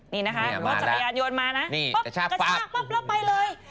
นี่นะคะรถจักรยานยนต์มานะปุ๊บกระชากปั๊บแล้วไปเลย